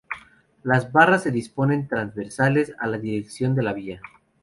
Las barras se disponen transversales a la dirección de la vía.